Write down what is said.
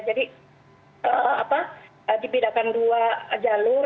jadi apa dibedakan dua jalur